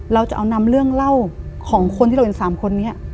เราจะเอานำเรื่องเล่าของคนที่เราเห็น๓คนนี้